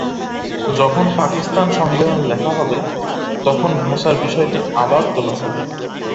যখন পাকিস্তান সংবিধান লেখা হবে, তখন ভাষার বিষয়টি আবার তোলা হবে।